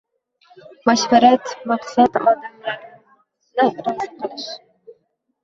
Mashvarat: maqsad – odamlarni rozi qilish